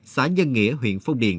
xã dân nghĩa huyện phong điền